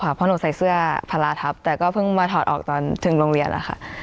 เพราะหนูใส่เสื้อพลาทัพแต่ก็เพิ่งมาถอดออกตอนถึงโรงเรียนนะคะ